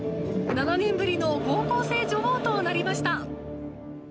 ７年ぶりの高校生女王となりました。